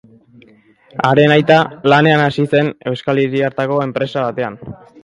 Haren aita lanean hasia zen euskal hiri hartako enpresa batean.